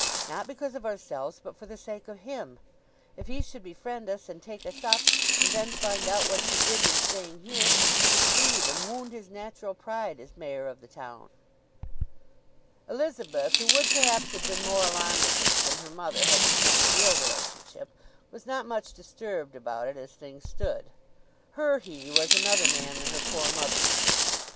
Not because of ourselves, but for the sake of him. If he should befriend us, and take us up, and then find out what you did when staying here, 'twould grieve and wound his natural pride as Mayor of the town." Elizabeth, who would perhaps have been more alarmed at this than her mother had she known the real relationship, was not much disturbed about it as things stood. Her "he" was another man than her poor mother's.